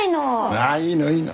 ああいいのいいの。